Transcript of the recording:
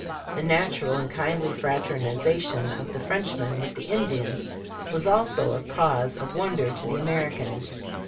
The natural and kindly fraternization of the Frenchmen with the Indians was also a cause of wonder to the Americans.